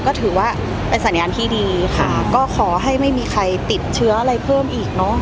ก็ถือว่าเป็นสัญญาณที่ดีค่ะก็ขอให้ไม่มีใครติดเชื้ออะไรเพิ่มอีกเนอะ